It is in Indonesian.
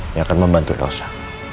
yang akan membantu elsa